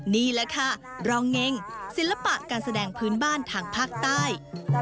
นี่แหละค่ะรองเงงศิลปะการแสดงพื้นบ้านทางภาคใต้